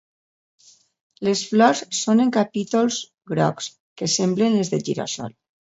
Les flors són en capítols grocs que semblen les del gira-sol.